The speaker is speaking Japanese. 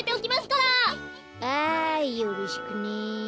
ああよろしくね。